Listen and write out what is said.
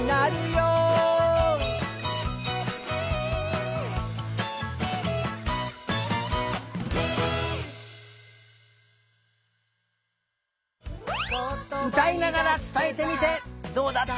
うたいながらつたえてみてどうだった？